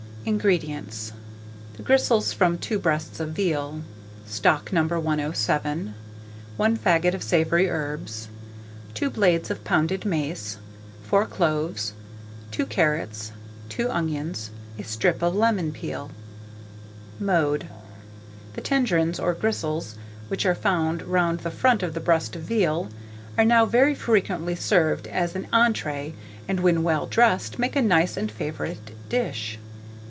INGREDIENTS. The gristles from 2 breasts of veal, stock No. 107, 1 faggot of savoury herbs, 2 blades of pounded mace, 4 cloves, 2 carrots, 2 onions, a strip of lemon peel. Mode. The tendrons or gristles, which are found round the front of a breast of veal, are now very frequently served as an entrée, and when well dressed, make a nice and favourite dish.